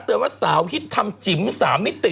เตือนว่าสาวที่ทำจิ๋ม๓มิติ